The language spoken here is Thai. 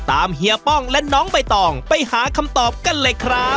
เฮียป้องและน้องใบตองไปหาคำตอบกันเลยครับ